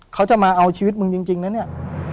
เขาจะมาเอาชีวิตมึงจริงนะเนี่ย